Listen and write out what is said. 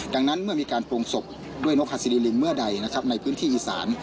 ดังนั้นเมื่อมีการปรุงศพด้วยนกฮาซิริลิงเมื่อใดนะครับในพื้นที่อีสาน